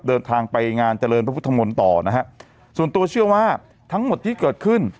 เดินทางไปงานเจริญพระพุทธมนตร์ต่อนะฮะส่วนตัวเชื่อว่าทั้งหมดที่เกิดขึ้น